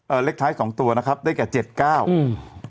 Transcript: เลขท้ายสองตัวนะครับได้แก่เจ็ดเก้าอืม